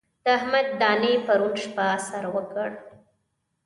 د احمد دانې پرون شپه سر وکړ.